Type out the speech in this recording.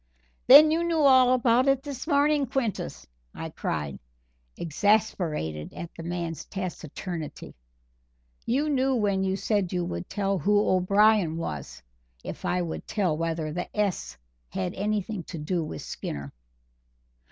"Then you knew all about it this morning, Quintus," I cried, exasperated at the man's taciturnity; "you knew when you said you would tell who O'Brien was, if I would tell whether the 'S' had anything to do with Skinner."